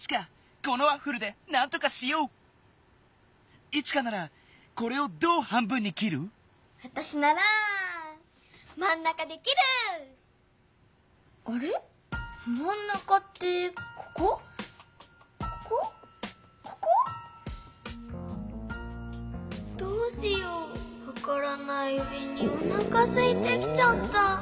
こころのこえどうしようわからない上におなかすいてきちゃった。